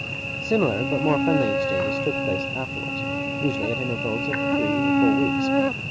Similar but more friendly exchanges took place afterwards, usually at intervals of three or four weeks.